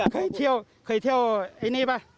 หลวงพี่กลับเคยเที่ยวไอ้นี่ป่ะ